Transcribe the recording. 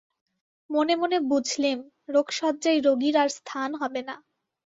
মনে মনে বুঝলেম, রোগশয্যায় রোগীর আর স্থান হবে না।